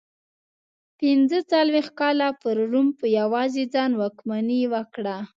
پنځه څلوېښت کاله پر روم په یوازې ځان واکمني وکړه